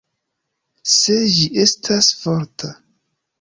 Se ĝi estas forta.